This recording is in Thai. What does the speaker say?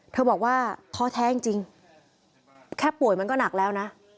บอกว่าท้อแท้จริงแค่ป่วยมันก็หนักแล้วนะ